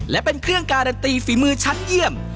และเป็นเครื่องการันตีฝีมือชั้นเยี่ยม